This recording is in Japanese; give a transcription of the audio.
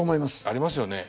ありますよね？